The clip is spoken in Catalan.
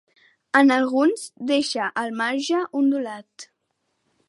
En alguns deixa el marge ondulat.